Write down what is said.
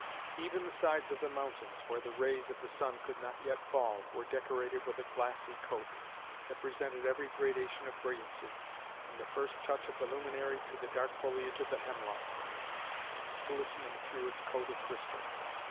Even the sides of the mountains where the rays of the sun could not yet fall, were decorated with a glassy coat, that presented every gradation of brilliancy, from the first touch of the luminary to the dark foliage of the hemlock, glistening through its coat of crystal.